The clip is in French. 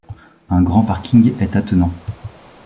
Un grand parking est attenant.